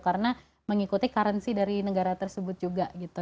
karena mengikuti currency dari negara tersebut juga gitu